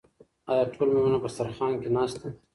آیا ټول مېلمانه په دسترخوان کې ناست دي؟